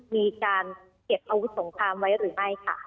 มีการเก็บอาวุธสงครามไว้หรือไม่ค่ะ